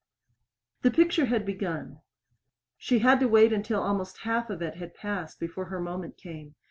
The picture had begun. She had to wait until almost half of it had passed before her moment came.